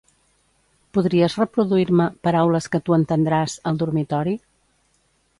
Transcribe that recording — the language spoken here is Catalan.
Podries reproduir-me "Paraules que tu entendràs" al dormitori?